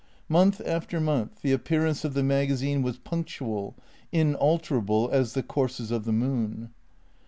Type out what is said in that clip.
Month after month, the appear ance of the magazine was punctual, inalterable as the courses of the moon.